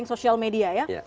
di sosial media ya